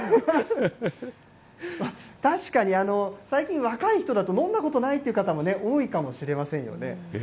確かに、最近、若い人だと飲んだことないという方もね、多いかもしれませんよね。